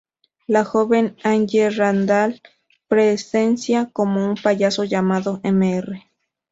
La joven Angie Randall presencia como un payaso llamado Mr.